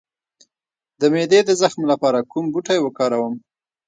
د معدې د زخم لپاره کوم بوټی وکاروم؟